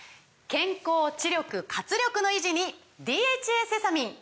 健康・知力・活力の維持に「ＤＨＡセサミン」！